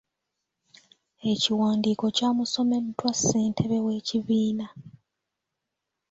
Ekiwandiiko kyamusomeddwa ssentebe w’ekibiina.